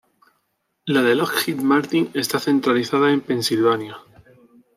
La de Lockheed Martin está centralizada en Pennsylvania.